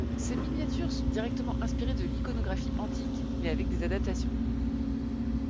Ces miniatures sont directement inspirées de l'iconographie antique, mais avec des adaptations.